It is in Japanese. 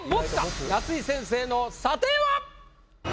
夏井先生の査定は⁉